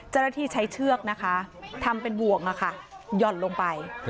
เจ้าหน้าที่ใช้เชือกนะคะทำเป็นบวกหย่อนลงไป